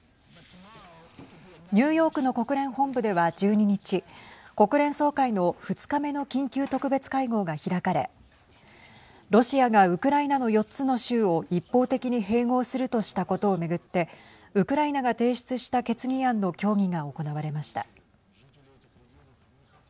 ニューヨークの国連本部では１２日国連総会の２日目の緊急特別会合が開かれロシアがウクライナの４つの州を一方的に併合するとしたことを巡ってウクライナが提出した決議案の協議が行われました。